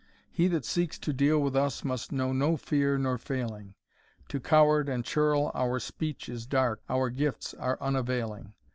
He that seeks to deal with us must know no fear nor failing! To coward and churl our speech is dark, our gifts are unavailing.